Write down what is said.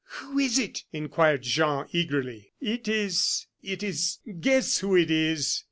"Who is it?" inquired Jean, eagerly. "It is it is. Guess who it is."